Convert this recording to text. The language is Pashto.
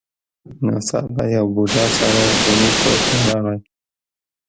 ناڅاپه یو بوډا سړی زموږ کور ته راغی.